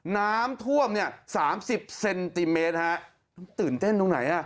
น้ำท่วมเนี่ย๓๐เซนติเมตรฮะตื่นเต้นตรงไหนอ่ะ